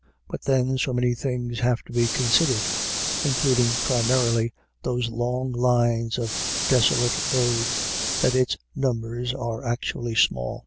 But then so many things have to be considered, includ ing primarily those long miles of desolate road, that its numbers are actually small.